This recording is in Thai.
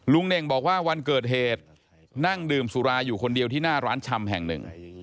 เน่งบอกว่าวันเกิดเหตุนั่งดื่มสุราอยู่คนเดียวที่หน้าร้านชำแห่งหนึ่ง